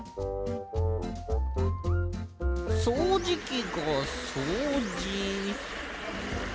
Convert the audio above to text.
そうじきがそうじ。